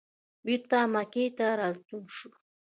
بېرته مکې ته راستون شو.